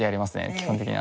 基本的には。